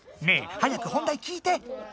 ねえ早く本題聞いて！